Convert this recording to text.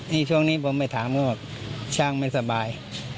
นี่ช่วงนี้ผมไปถามก็ช่างไม่สบาย